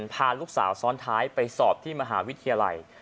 พาลูกสาวซ้อนท้ายไปสอบที่มหาวิทยาลัย